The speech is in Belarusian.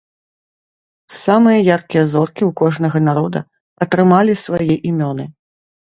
Самыя яркія зоркі ў кожнага народа атрымалі свае імёны.